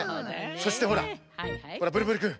そしてほらブルブルくん。